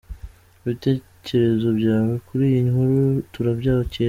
Ibitekerezo byawe kuri iyi nkuru turabyakira.